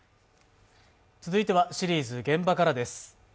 続いてはシリーズ「現場から」です。